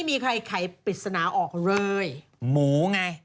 พี่ปุ้ยลูกโตแล้ว